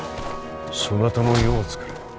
そなたの世をつくれ。